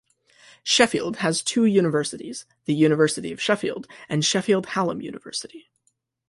Sheffield has two universities, the University of Sheffield and Sheffield Hallam University.